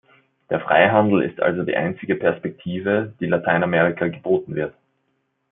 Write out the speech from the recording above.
Der Freihandel ist also die einzige Perspektive, die Lateinamerika geboten wird.